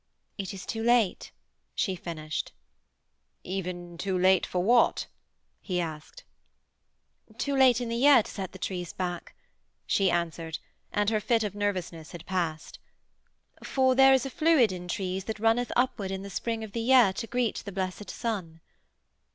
'It is too late,' she finished. 'Even too late for what?' he asked. 'Too late in the year to set the trees back,' she answered and her fit of nervousness had passed. 'For there is a fluid in trees that runneth upward in the spring of the year to greet the blessed sun.'